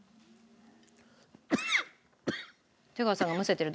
出川さんがむせてる。